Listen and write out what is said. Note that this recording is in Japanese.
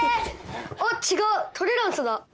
あっ違う「トレランス」だ。